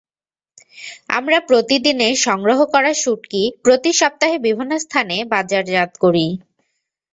আমরা প্রতিদিনের সংগ্রহ করা শুঁটকি প্রতি সপ্তাহে বিভিন্ন স্থানে বাজারজাত করি।